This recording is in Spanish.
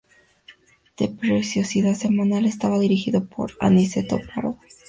De periodicidad semanal, estaba dirigido por Aniceto Pardo.